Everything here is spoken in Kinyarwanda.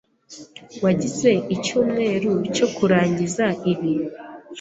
Wagize icyumweru cyo kurangiza ibi.